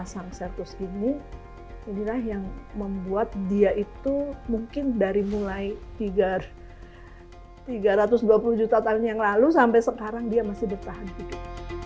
sang sertus ini inilah yang membuat dia itu mungkin dari mulai tiga ratus dua puluh juta tahun yang lalu sampai sekarang dia masih bertahan hidup